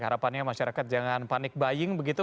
harapannya masyarakat jangan panik baying begitu